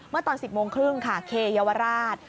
ตอน๑๐โมงครึ่งค่ะเคเยาวราช